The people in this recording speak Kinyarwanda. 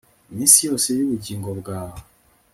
iminsi yose y'ubugingo bwawe